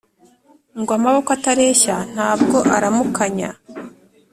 ngo amaboko atareshya ntabwo aramukanya